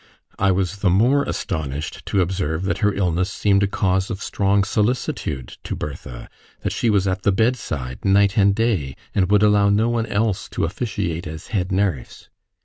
I was the more astonished to observe that her illness seemed a cause of strong solicitude to Bertha; that she was at the bedside night and day, and would allow no one else to officiate as head nurse.